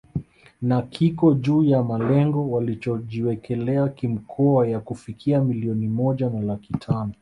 Na kiko juu ya malengo walichojiwekea kimkoa ya kufikia milioni moja na laki tano